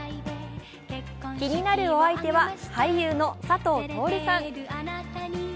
気になるお相手は俳優の佐藤達さん。